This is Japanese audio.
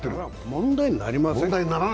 問題になりません。